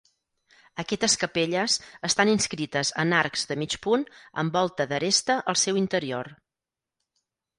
Aquestes capelles estan inscrites en arcs de mig punt amb volta d'aresta al seu interior.